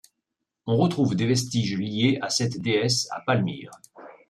On retrouve des vestiges liés à cette déesse à Palmyre.